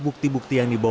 bukti bukti yang diperoleh